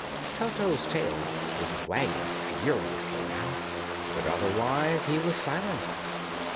Toto's tail was wagging furiously now, but otherwise he was silent.